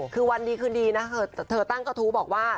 คือวันดีคืนดีนะเธอตั้งกระทู้บอกว่า